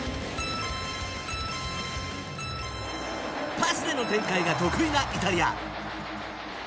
パスでの展開が得意なイタリア。